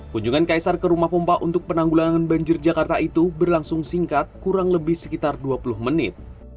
kunjungan kaisar ke rumah pompa untuk penanggulangan banjir jakarta itu berlangsung singkat kurang lebih sekitar dua puluh menit